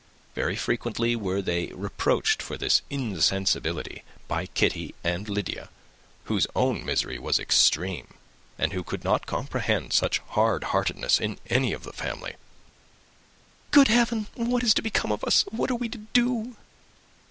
Very frequently were they reproached for this insensibility by Kitty and Lydia, whose own misery was extreme, and who could not comprehend such hard heartedness in any of the family. "Good Heaven! What is to become of us? What are we to do?"